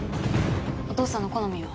お父さんの好みは？